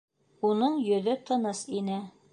Уның йөҙө тыныс ине.